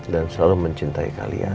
dan selalu mencintai kalian